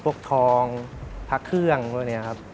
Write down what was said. ทองพระเครื่องพวกนี้ครับ